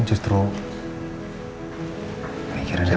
kalau dirumah gak apa apain justru